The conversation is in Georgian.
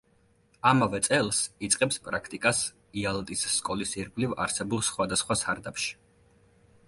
ამავე წელს იწყებს პრაქტიკას იალტის სკოლის ირგვლივ არსებულ სხვადასხვა სარდაფში.